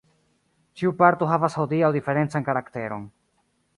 Ĉiu parto havas hodiaŭ diferencan karakteron.